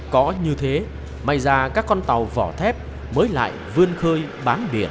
có như thế may ra các con tàu vỏ thép mới lại vươn khơi bám biển